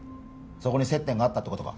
そこに接点があったってことか？